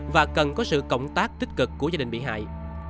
và cần có sự cộng tác tích cực của gia đình bị hại